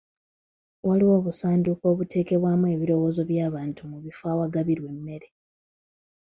Waliwo obusanduuko obuteekebwamu ebirowoozo by'abantu mu bifo awagabirwa emmere.